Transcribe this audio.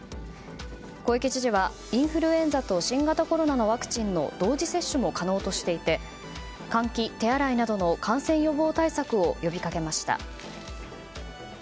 小池知事はインフルエンザと新型コロナのワクチンの同時接種も可能としていて換気・手洗いなどの感染予防対策を呼びかけました。